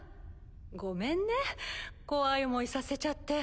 ごめんね怖い思いさせちゃって。